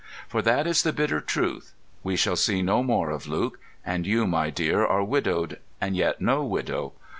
For that is the bitter truth. We shall see noe more of Luke, and you, my deare, are widowed and yet no widow.